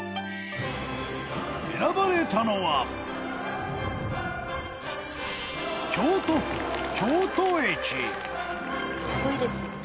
選ばれたのは本仮屋：格好いいですよね。